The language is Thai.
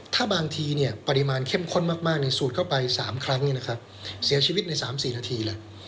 ถ้าบางทีเนี่ยปริมาณเข้มข้นมากสูดเข้าไปสามครั้งนะครับเสียชีวิตในสามสี่นาทีแหละ